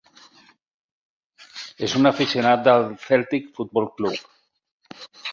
És un aficionat del Celtic Football Club.